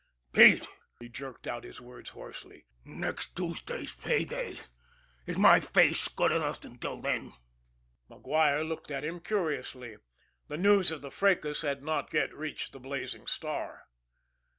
"Pete" he jerked out his words hoarsely "next Tuesday's pay day is my face good till then?" MacGuire looked at him curiously. The news of the fracas had not yet reached the Blazing Star.